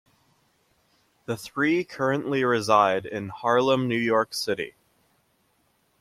The three currently reside in Harlem, New York City.